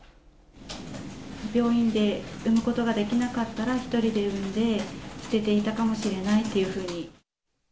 病院で産むことができなかったら、１人で産んで捨てていたかもしれないというふうに。